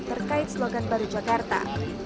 terkait slogan baru jakarta